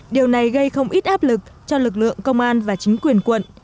điều này gây không ít áp lực cho lực lượng công an và chính quyền quận